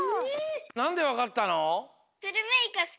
なんでわかったの？